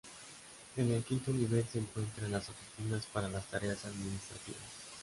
En el quinto nivel se encuentran las oficinas para las tareas administrativas.